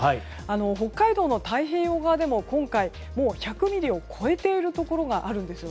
北海道の太平洋側でも１００ミリを超えているところがあるんです。